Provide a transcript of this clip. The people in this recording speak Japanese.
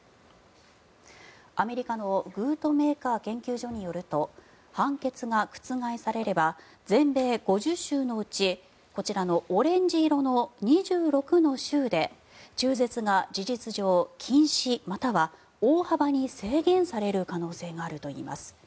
アメリカのグートメーカー研究所によると判決が覆されれば全米５０州のうちこちらのオレンジ色の２６の州で中絶が事実上禁止または大幅に制限される可能性があると言います。